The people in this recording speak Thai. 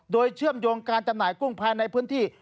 โดยเชื่อมโยงการจำหน่ายกุ้งภายในพื้นที่